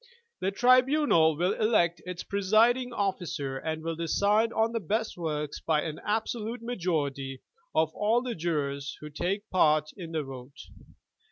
The tribunal will elect its presiding officer and will decide on the best works by an absolute majority of all the jurors who take part in the vote.